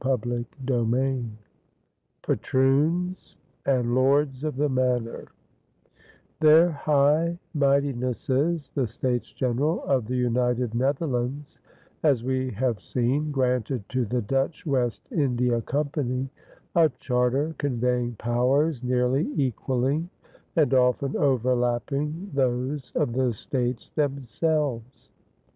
CHAPTER III PATROONS AND LORDS OF THE MANOR Their High Mightinesses, the States General of the United Netherlands, as we have seen, granted to the Dutch West India Company a charter conveying powers nearly equaling and often overlapping those of the States themselves.